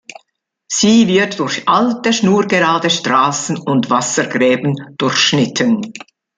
Sie wird durch alte, schnurgerade Straßen und Wassergräben durchschnitten.